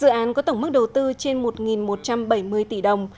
dự án có tổng mức đầu tư trên một một trăm bảy mươi tỷ đồng